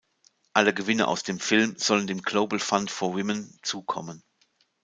Alle Gewinne aus dem Film sollen dem Global Fund for Women zukommen.